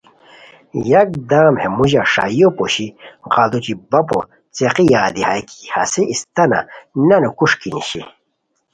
یکدم ہے موژہ ݰائیو پوشی غیڑوچی بپو څیقی یادی ہائے کی ہسے استانہ نانو کوݰکی نیشی